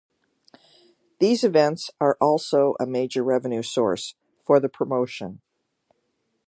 These events are also a major revenue source for the promotion.